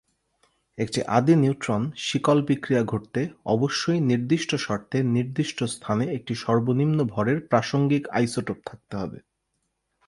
একটি আদি নিউট্রন শিকল বিক্রিয়া ঘটতে অবশ্যই নির্দিষ্ট শর্তে নির্দিষ্ট স্থানে একটি সর্বনিম্ন ভরের প্রাসঙ্গিক আইসোটোপ থাকতে হবে।